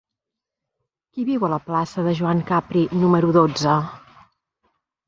Qui viu a la plaça de Joan Capri número dotze?